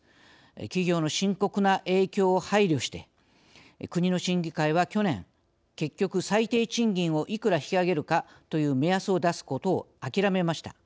企業の深刻な影響を配慮して国の審議会は去年結局最低賃金をいくら引き上げるかという目安を出すことをあきらめました。